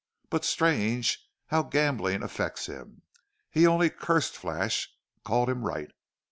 But strange how gambling affects him! He only cursed Flash called him right.